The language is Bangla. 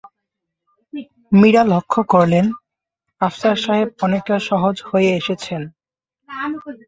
মীরা লক্ষ করলেন, আফসার সাহেব অনেকটা সহজ হয়ে এসেছেন।